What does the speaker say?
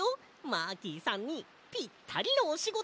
マーキーさんにぴったりのおしごと。